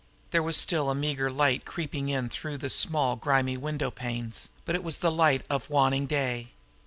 There was still a meager light creeping in through the small, grimy window panes, but it was the light of waning day.